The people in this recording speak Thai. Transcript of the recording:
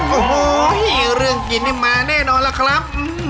โอ้โหเรื่องกินนี่มาแน่นอนล่ะครับ